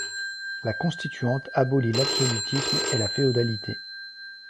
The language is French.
La Constituante abolit l’absolutisme et la féodalité.